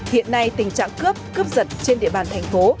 hiện nay tình trạng cướp cướp giật trên địa bàn thành phố